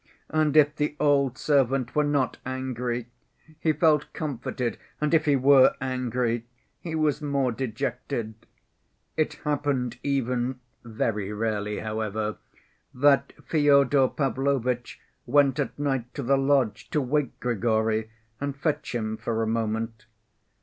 And if the old servant were not angry, he felt comforted, and if he were angry, he was more dejected. It happened even (very rarely however) that Fyodor Pavlovitch went at night to the lodge to wake Grigory and fetch him for a moment.